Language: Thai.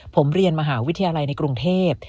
ผมเรียนมหาวิทยาลัยในกรุงเทพ